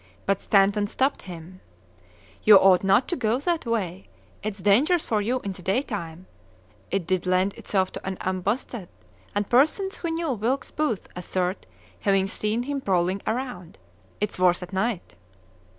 But Stanton stopped him. "You ought not to go that way; it is dangerous for you in the daytime" it did lend itself to an ambuscade, and persons who knew Wilkes Booth assert having seen him prowling around "it is worse at night!"